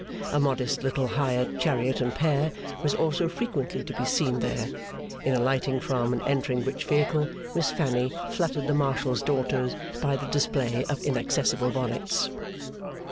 A modest little hired chariot and pair was also frequently to be seen there; in alighting from and entering which vehicle, Miss Fanny fluttered the Marshal's daughters by the display of inaccessible bonnets.